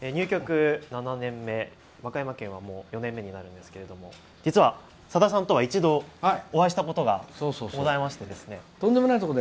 入局７年目和歌山県は４年目になるんですけどさださんとは一度お会いしたことがございまして。